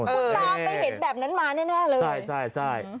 สามารถไปเห็นแบบนั้นมาแน่เลยใช่